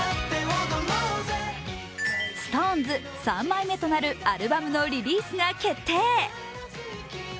ＳｉｘＴＯＮＥＳ、３枚目となるアルバムのリリースが決定。